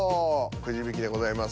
くじ引きでございます。